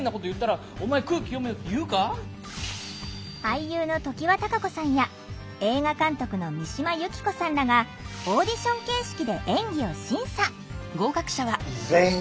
俳優の常盤貴子さんや映画監督の三島有紀子さんらがオーディション形式で演技を審査。